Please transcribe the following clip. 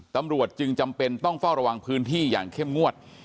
ตำรวจจึงจำเป็นต้องเฝ้าระวังพื้นที่อย่างเข้มงวด